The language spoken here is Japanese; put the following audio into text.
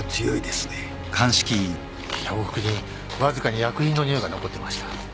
洋服にわずかに薬品のにおいが残ってました。